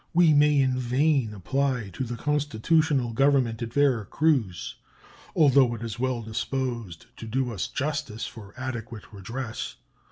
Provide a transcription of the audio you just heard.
We may in vain apply to the constitutional Government at Vera Cruz, although it is well disposed to do us justice, for adequate redress.